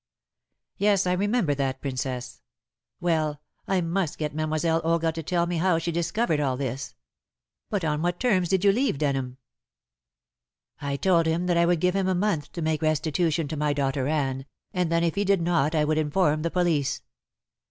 "Yes; I remember that, Princess. Well, I must get Mademoiselle Olga to tell me how she discovered all this. But on what terms did you leave Denham?" "I told him that I would give him a month to make restitution to my daughter Anne, and then if he did not I would inform the police."